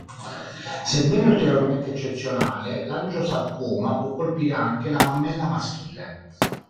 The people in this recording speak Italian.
Sebbene ulteriormente eccezionale, l'argiosarcoma può colpire anche la mammella maschile.